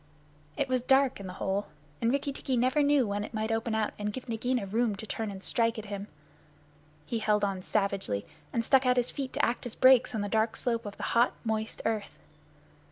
It was dark in the hole; and Rikki tikki never knew when it might open out and give Nagaina room to turn and strike at him. He held on savagely, and stuck out his feet to act as brakes on the dark slope of the hot, moist earth.